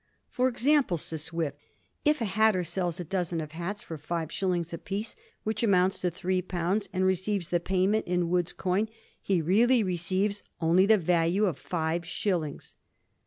'For example,' says Swift, ' if a hatter sells a dozen of hats for five shillings apiece, which amounts to three pounds, and receives the payment in Wood's coin, he really receives only the value of five shillings.'